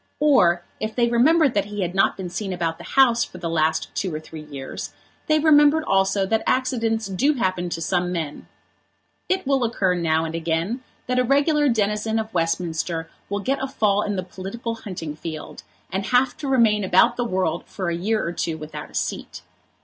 Or if they remembered that he had not been seen about the House for the last two or three years they remembered also that accidents do happen to some men. It will occur now and again that a regular denizen of Westminster will get a fall in the political hunting field, and have to remain about the world for a year or two without a seat.